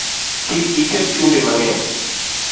Kik iket chumbi mang’eny